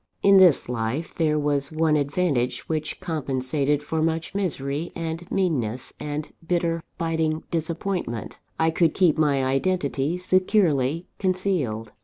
In this life, there was one advantage which compensated for much misery and meanness, and bitter, biting disappointment: I could keep my identity securely concealed.